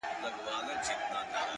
له موږ څخه بلاوي ليري کړه